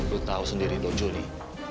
lo tahu sendiri dojoli